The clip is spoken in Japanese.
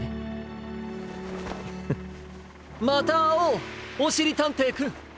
フッまたあおうおしりたんていくん。